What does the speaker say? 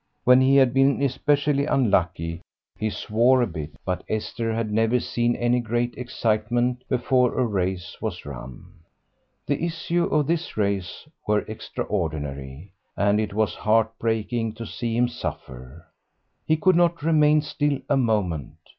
When he had been especially unlucky he swore a bit, but Esther had never seen any great excitement before a race was run. The issues of this race were extraordinary, and it was heart breaking to see him suffer; he could not remain still a moment.